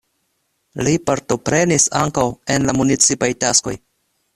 Li partoprenis ankaŭ en la municipaj taskoj.